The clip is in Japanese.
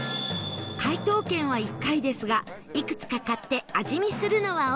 解答権は１回ですがいくつか買って味見するのはオーケー